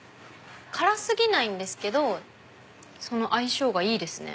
辛過ぎないんですけど相性がいいですね。